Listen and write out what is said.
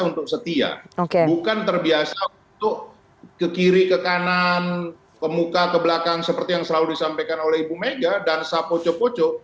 untuk setia bukan terbiasa untuk ke kiri ke kanan ke muka ke belakang seperti yang selalu disampaikan oleh ibu mega dan sapoco poco